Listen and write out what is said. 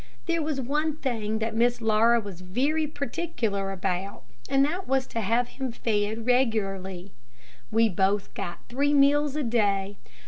There was one thing that Miss Laura was very particular about, and that was to have him fed regularly. We both got three meals a day.